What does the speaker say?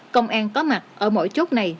công an có mặt ở mỗi chốt này